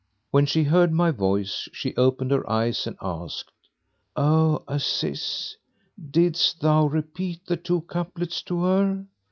When she heard my voice, she opened her eyes and asked, "O Aziz! didst thou repeat the two couplets to her?"